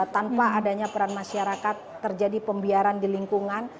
tanpa adanya peran masyarakat terjadi pembiaran di lingkungan